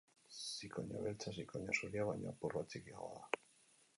Zikoina beltza zikoina zuria baino apur bat txikiagoa da.